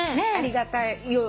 ありがたい。